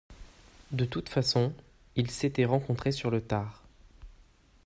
De toute façon ils s’étaient rencontrés sur le tard